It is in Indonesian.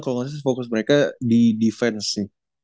kalo gak salah fokus mereka di defense